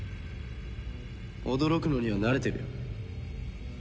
驚くのには慣れてるよ。